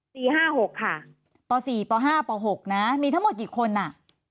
สี่ห้าหกค่ะป่าสี่ป่าห้าป่าหกนะมีทั้งหมดกี่คนน่ะ